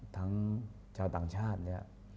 ทั้งชาวต่างชาติเนี่ย